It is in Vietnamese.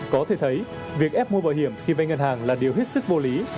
có thể thấy việc ép mua bảo hiểm khi vay ngân hàng là điều hết sức vô lý